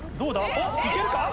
おっ行けるか？